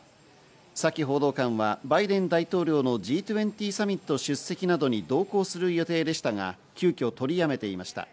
サキ報道官はバイデン大統領のＧ２０サミット出席などに同行する予定でしたが急きょ、取り止めていました。